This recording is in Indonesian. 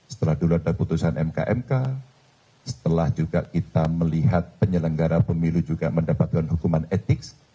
setelah dulu ada putusan mk mk setelah juga kita melihat penyelenggara pemilu juga mendapatkan hukuman etik